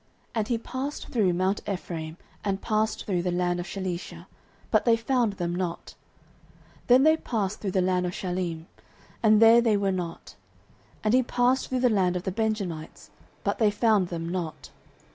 09:009:004 And he passed through mount Ephraim, and passed through the land of Shalisha, but they found them not: then they passed through the land of Shalim, and there they were not: and he passed through the land of the Benjamites, but they found them not.